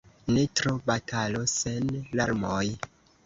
Ne tro: batalo sen larmoj.